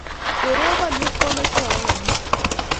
Koropon ye kiamache awo ganisa.